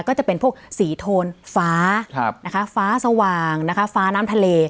ก็จะเป็นพวกสีโทนฟ้าฟ้าสว่างนะคะฟ้าน้ำทะเล